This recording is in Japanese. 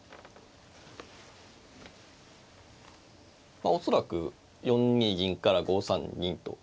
まあ恐らく４二銀から５三銀と。